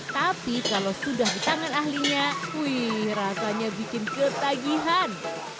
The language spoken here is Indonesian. tapi kalau sudah di tangan ahlinya wih rasanya bikin ketagihan